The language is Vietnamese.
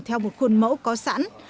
theo một khuôn mẫu có sẵn